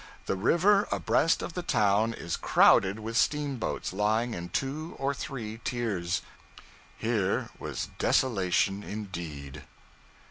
The river abreast of the town is crowded with steamboats, lying in two or three tiers.']} Here was desolation, indeed.